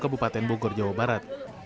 kabupaten bogor jawa barat